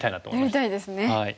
やりたいですね。